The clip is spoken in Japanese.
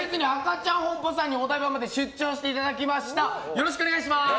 よろしくお願いします！